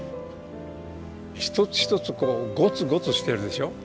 一つ一つこうゴツゴツしてるでしょ。